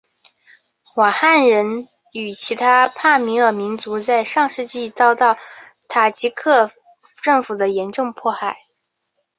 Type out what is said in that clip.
瓦罕人与其他帕米尔民族在上世纪遭到塔吉克政府的严重迫害。